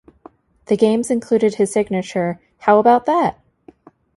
The games included his signature How about that?!